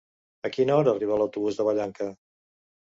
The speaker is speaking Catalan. A quina hora arriba l'autobús de Vallanca?